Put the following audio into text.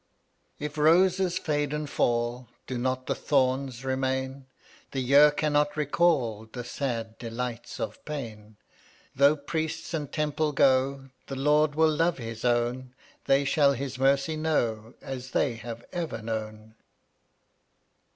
$}mav If roses fade and fall, Do not the thorns remain? C/ The year cannot recall The sad delights of pain. Though priest and temple go, The Lord will love his own; They shall His mercy know As they have ever known.